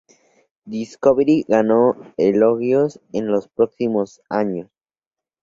Discovery ganó elogios en los próximos años.